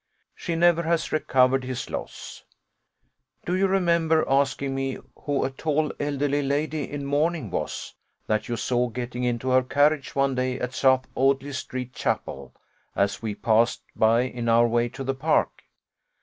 She never has recovered his loss. Do you remember asking me who a tall elderly lady in mourning was, that you saw getting into her carriage one day, at South Audley street chapel, as we passed by in our way to the park?